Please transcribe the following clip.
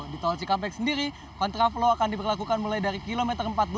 di tol cikampek sendiri kontraflow akan diberlakukan mulai dari kilometer empat belas